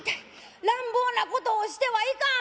「乱暴なことをしてはいかん」。